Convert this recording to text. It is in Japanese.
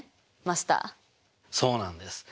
そうなんです。